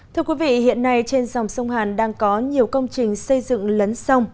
thưa quý vị hiện nay trên dòng sông hàn đang có nhiều công trình xây dựng lấn sông